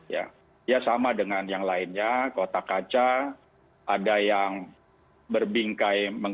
ya sama dengan yang lainnya kotak kaca ada yang berbingkai